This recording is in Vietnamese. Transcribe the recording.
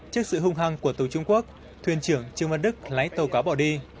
trước sự hung hăng của tàu trung quốc thuyền trưởng trương văn đức lái tàu cá bỏ đi